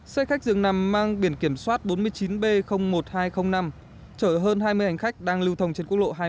xe khách dường nằm mang biển kiểm soát bốn mươi chín b một nghìn hai trăm linh năm chở hơn hai mươi hành khách đang lưu thông trên quốc lộ hai mươi